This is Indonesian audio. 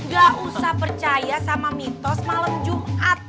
gak usah percaya sama mitos malam jumat